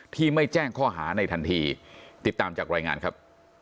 ที่ไม่แจ้งข้อหาในทันทีติดตามจากรายงานครับ